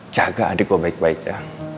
jaga adik gue baik baik ya